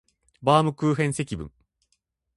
バームクーヘン積分